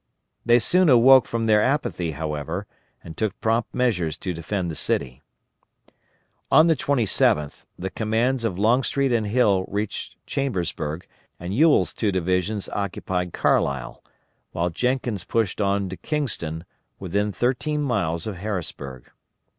They soon awoke from their apathy, however, and took prompt measures to defend the city. On the 27th the commands of Longstreet and Hill reached Chambersburg, and Ewell's two divisions occupied Carlisle, while Jenkins pushed on to Kingston, within thirteen miles of Harrisburg.